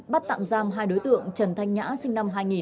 bắt tạm giam hai đối tượng trần thanh nhã sinh năm hai nghìn